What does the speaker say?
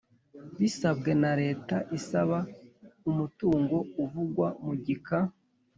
Bisabwe na Leta isaba umutungo uvugwa mu gika